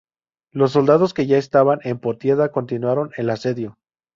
Los soldados que ya estaban en Potidea continuaron el asedio.